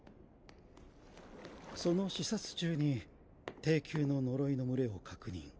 その視察中に低級の呪いの群れを確認。